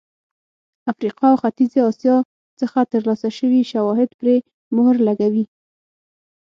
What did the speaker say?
افریقا او ختیځې اسیا څخه ترلاسه شوي شواهد پرې مهر لګوي.